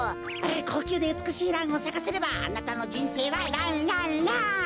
こうきゅうでうつくしいランをさかせればあなたのじんせいはランランラン！